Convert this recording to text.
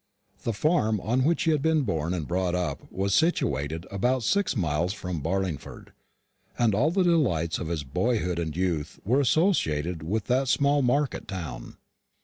The farm upon which he had been born and brought up was situated about six miles from Barlingford, and all the delights of his boyhood and youth were associated with that small market town.